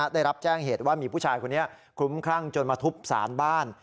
ได้รับแจ้งเหตุว่ามีผู้ชายคนนี้คลุ้มคลั่งจนมาทุบสารบ้าน